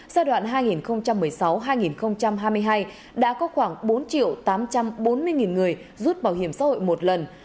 giai đoạn hai nghìn một mươi sáu hai nghìn hai mươi hai đã có khoảng bốn tám trăm bốn mươi người rút bảo hiểm xã hội một lần